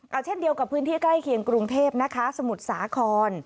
เอาเช่นเดียวกับพื้นที่ใกล้เคียงกรุงเทพนะคะสมุทรสาคร